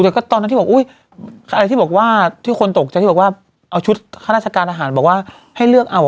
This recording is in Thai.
เดี๋ยวก็ตอนนั้นที่บอกอุ้ยอะไรที่บอกว่าที่คนตกใจที่บอกว่าเอาชุดข้าราชการอาหารบอกว่าให้เลือกเอาอ่ะ